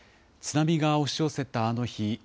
津波が押し寄せたあの日。